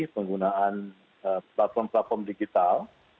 penggunaan platform platform digital